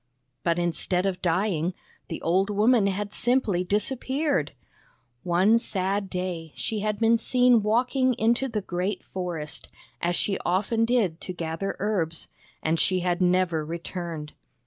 But instead of dying, the old woman had simply disappeared. One sad day she had been seen walking into the great forest, as she often did to gather herbs, and she had never returned.